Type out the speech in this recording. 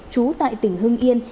chú tại tỉnh hưng yên